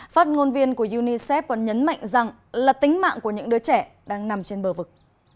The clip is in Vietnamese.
phát ngôn viên của unicef còn nhấn mạnh rằng là tính mạng của những đứa trẻ đang nằm trên bờ vực